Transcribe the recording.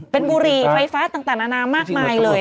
เป็นบุหรี่ไฟฟ้าต่างนานามากมายเลย